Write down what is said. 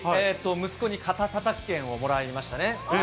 息子に肩たたき券をもらいましたね。